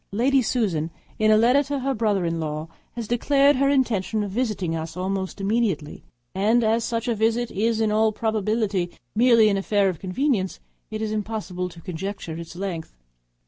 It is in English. Lady Susan, in a letter to her brother in law, has declared her intention of visiting us almost immediately; and as such a visit is in all probability merely an affair of convenience, it is impossible to conjecture its length.